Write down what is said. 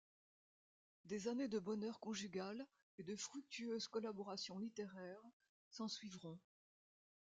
Des années de bonheur conjugal et de fructueuse collaboration littéraire s'ensuivront.